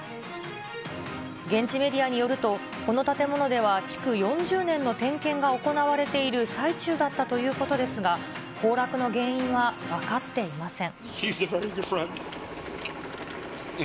現地メディアによると、この建物では築４０年の点検が行われている最中だったということですが、崩落の原因は分かっていません。